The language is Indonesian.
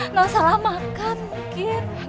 nggak salah makan mungkin